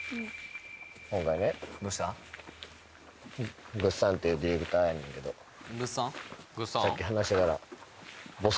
今回ねぐっさんっていうディレクターやねんけどぐっさん？